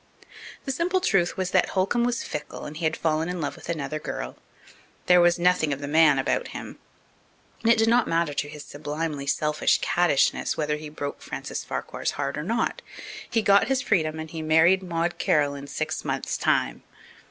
The simple truth was that Holcomb was fickle and had fallen in love with another girl. There was nothing of the man about him, and it did not matter to his sublimely selfish caddishness whether he broke Frances Farquhar's heart or not. He got his freedom and he married Maud Carroll in six months' time.